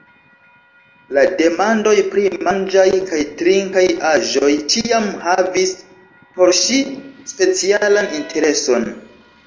La demandoj pri manĝaj kaj trinkaj aĵoj ĉiam havis por ŝi specialan intereson.